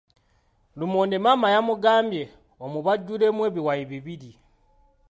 Lumonde maama yamugambye omubajjulemu ebiwayi bibiri.